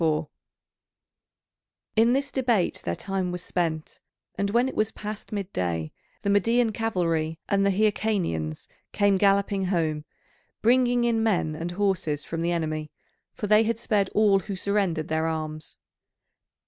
[C.4] In this debate their time was spent, and when it was past midday the Median cavalry and the Hyrcanians came galloping home, bringing in men and horses from the enemy, for they had spared all who surrendered their arms.